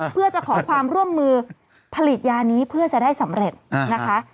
เพื่อจะขอความร่วมมือผลิตยานี้เพื่อจะได้สำเร็จนะคะ